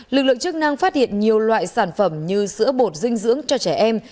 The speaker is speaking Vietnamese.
lực lượng chức năng phát hiện nhiều loại sản phẩm như sữa bột dinh dưỡng cho trẻ em